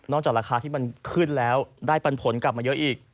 จากราคาที่มันขึ้นแล้วได้ปันผลกลับมาเยอะอีก